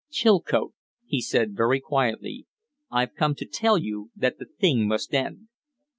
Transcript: "Chilcote," he said, very quietly, "I've come to fell you that the thing must end."